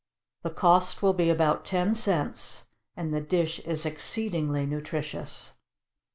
The cost will be about ten cents, and the dish is exceedingly nutritious.